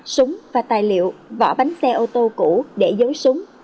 súng và tài liệu vỏ bánh xe ô tô cũ để dấu súng